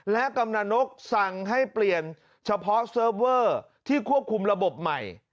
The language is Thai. และกำลังนกสั่งให้เปลี่ยนเฉพาะเซิร์ฟเวอร์ที่ควบคุมระบบใหม่